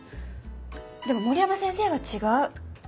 でも森山先生は違う。